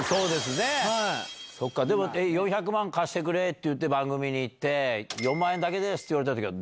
「４００万貸してくれ」って番組に言って「４万円だけです」って言われた時は。